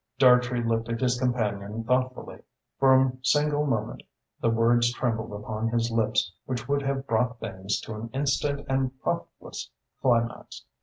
Dartrey looked at his companion thoughtfully. For a single moment the words trembled upon his lips which would have brought things to an instant and profitless climax.